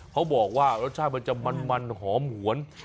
เขาบอกว่ารสชาติมันจะมันหอมหวน